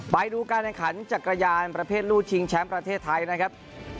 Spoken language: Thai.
ไปดูการแข่งขันจักรยานประเภทลูกชิงแชมป์ประเทศไทยนะครับ